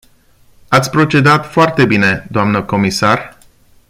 Ați procedat foarte bine, dnă comisar.